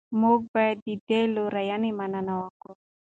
موږ باید د دې لورینې مننه وکړو.